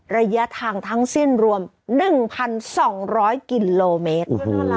ระยะทางทั้งสิ้นรวม๑๒๐๐กิโลเมตร